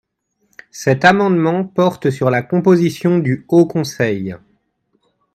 Cet amendement porte sur la composition du Haut conseil.